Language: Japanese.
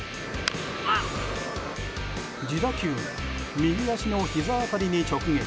自打球が右足のひざ辺りに直撃。